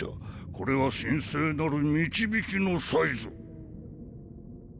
これは神聖なる導きのサイぞ。